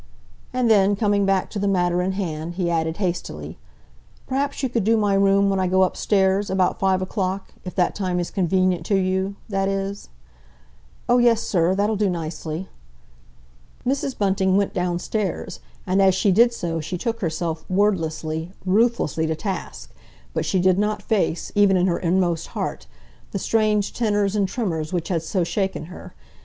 And then, coming back to the matter in hand, he added hastily, "Perhaps you could do my room when I go upstairs, about five o'clock—if that time is convenient to you, that is?" "Oh, yes, sir! That'll do nicely!" Mrs. Bunting went downstairs, and as she did so she took herself wordlessly, ruthlessly to task, but she did not face—even in her inmost heart—the strange tenors and tremors which had so shaken her.